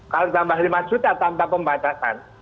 kalau tambah lima juta tanpa pembatasan